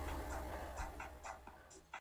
他的母亲史蒂芬妮则是名的员工。